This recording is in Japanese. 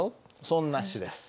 そんな詩です。